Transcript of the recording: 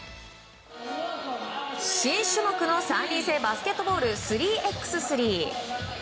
新種目の３人制バスケットボール３×３。